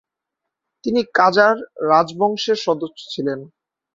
তিনি কাজার রাজবংশের সদস্য ছিলেন।